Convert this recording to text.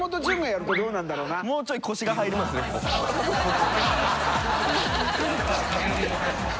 もうちょい腰が入りますねこう。